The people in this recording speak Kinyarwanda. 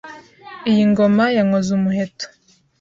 Iyi ngoma ya Nkozumuheto